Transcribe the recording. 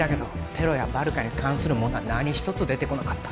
テロやバルカに関するものは何一つ出てこなかった